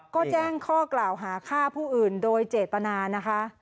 ก็แจ้งข้อกล่าวหาฆ่าผู้อื่นโดยเจตนานะคะ